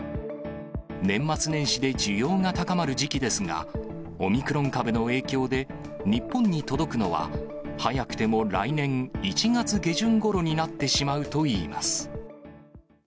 年末年始で需要が高まる時期ですが、オミクロン株の影響で、日本に届くのは、早くても来年１月下旬ごろになってしまうといいます。